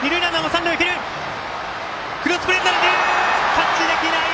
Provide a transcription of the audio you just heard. タッチできない！